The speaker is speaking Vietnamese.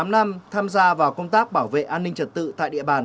một mươi tám năm tham gia vào công tác bảo vệ an ninh trật tự tại địa bàn